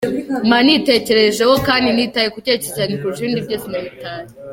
Mba nabitekerejeho kandi nitaye ku cyerekezo cyanjye kurusha ibindi byose -Nyamitali.